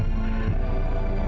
gimana mau buat masa ini